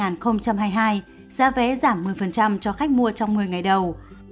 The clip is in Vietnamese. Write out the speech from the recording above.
giá vé giảm một mươi cho khách mua trong một mươi ngày đầu